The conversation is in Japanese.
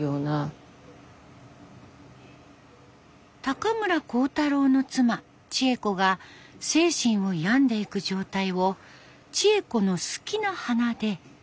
高村光太郎の妻智恵子が精神を病んでいく状態を智恵子の好きな花で表現。